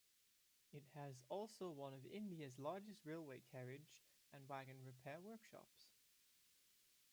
It has also one of India's largest railway carriage and wagon repair workshops.